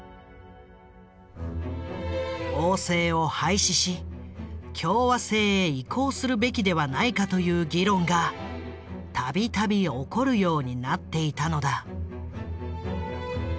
王制を廃止し共和制へ移行するべきではないかという議論が度々起こるようになっていたのだ。